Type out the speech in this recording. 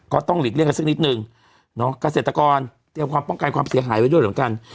หลีกเลี่ยกันสักนิดนึงเนาะเกษตรกรเตรียมความป้องกันความเสียหายไว้ด้วยเหมือนกัน